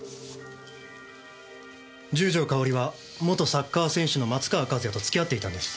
十条かおりは元サッカー選手の松川一弥と付き合っていたんです。